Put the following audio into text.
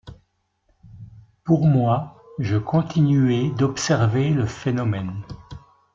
Pour moi, je continuai d’observer le phénomène.